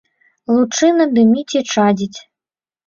Лучына дыміць і чадзіць.